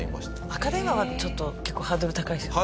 赤電話はちょっと結構ハードル高いですよね。